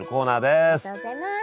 ありがとうございます。